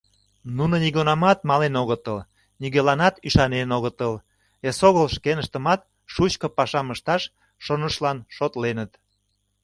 Нуно нигунамат мален огытыл, нигӧланат ӱшанен огытыл, эсогыл шкеныштымат шучко пашам ышташ шонышылан шотленыт.